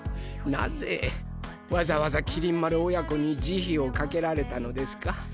なぜわざわざ麒麟丸親子に慈悲をかけられたのですか？